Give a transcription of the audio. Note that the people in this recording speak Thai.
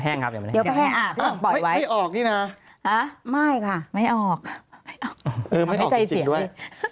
เออไม่ออกจริงด้วย